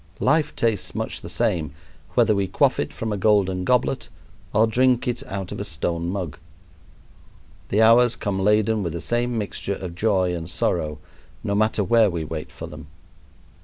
Life tastes much the same, whether we quaff it from a golden goblet or drink it out of a stone mug. The hours come laden with the same mixture of joy and sorrow, no matter where we wait for them.